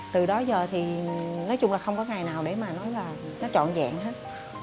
từ đó giờ thì nói chung là không có ngày nào để mà nói là nó trọn dạng hết